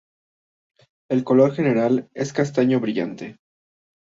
El color general es castaño brillante.